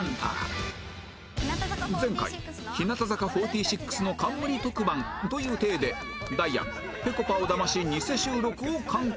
前回日向坂４６の冠特番という体でダイアンぺこぱをだましニセ収録を敢行